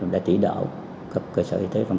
đã tỉ đạo cơ sở y tế